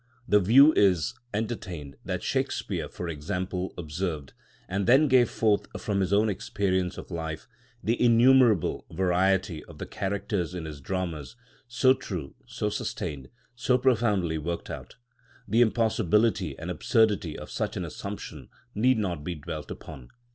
The view is entertained, that Shakespeare, for example, observed, and then gave forth from his own experience of life, the innumerable variety of the characters in his dramas, so true, so sustained, so profoundly worked out. The impossibility and absurdity of such an assumption need not be dwelt upon.